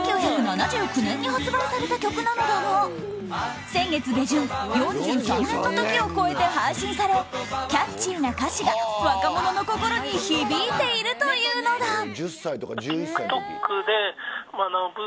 １９７９年に発売された曲なのだが先月下旬４３年の時を越えて配信されてキャッチーな歌詞が若者の心に響いているというのだ。